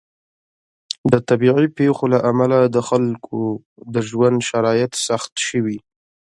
د طبیعي پیښو له امله د خلکو د ژوند شرایط سخت شوي.